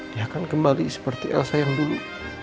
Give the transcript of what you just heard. dia akan kembali seperti elsa yang dulu